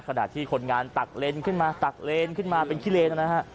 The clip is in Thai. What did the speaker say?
ขณะที่คนงานตักเลนขึ้นมาตักเลนขึ้นมาเป็นขี้เลนนะฮะ